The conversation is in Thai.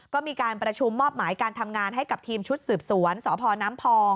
ก็มีการประชุมมอบหมายการทำงานให้กับทีมชุดสืบสวนสพน้ำพอง